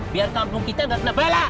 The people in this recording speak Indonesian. biar kampung kita nggak kena bela